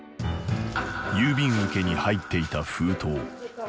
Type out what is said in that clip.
郵便受けに入っていた封筒。